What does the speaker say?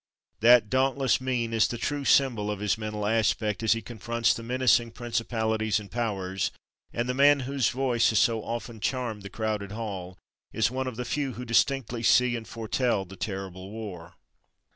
That dauntless mien is the true symbol of his mental aspect as he confronts the menacing principalities and powers, and the man whose voice has so often charmed the crowded hall is one of the few who distinctly see and foretell the terrible war.